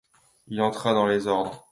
Il entra dans les ordres.